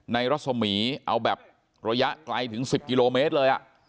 รัศมีร์เอาแบบระยะไกลถึง๑๐กิโลเมตรเลย